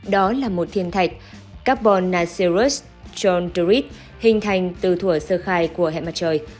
đó là một thiên thạch carbonasirus chondrit hình thành từ thủa sơ khai của hẹn mặt trời